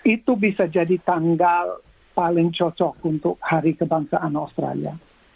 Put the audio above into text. itu bisa jadi tanggal paling cocok untuk hari kebangsaan australia